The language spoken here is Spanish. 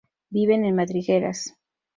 Viven en madrigueras.